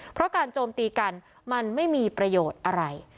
เพราะการโจมตีกันมันไม่มีประโยชน์อะไร